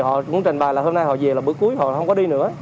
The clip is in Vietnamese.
họ cũng trình bài là hôm nay họ về là bữa cuối họ không có đi nữa